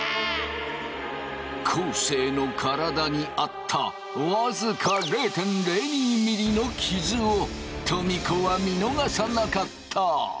昴生の体にあった僅か０．０２ｍｍのキズをトミ子は見逃さなかった！